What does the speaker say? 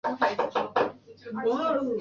中华民国医学家。